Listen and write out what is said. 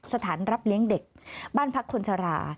สถานรับเลี้ยงเด็กบ้านพักคนชรา